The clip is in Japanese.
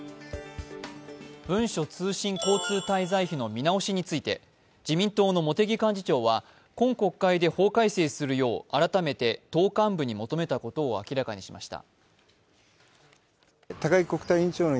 文書通信交通滞在費の見直しについて自民党の茂木幹事長は、今国会で法改正するよう改めて党幹部に求めたことを明らかにしました。